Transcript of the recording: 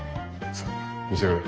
さあ召し上がれ。